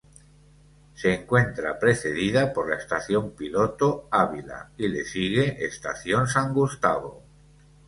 Se encuentra precedida por la Estación Piloto Ávila y le sigue Estación San Gustavo.